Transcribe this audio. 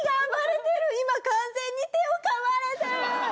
「今完全に手をかまれてる！」。